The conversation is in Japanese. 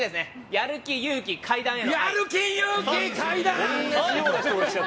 やる気、勇気、階段への愛。